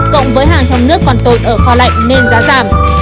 cộng với hàng trong nước còn tồn ở kho lạnh nên giá giảm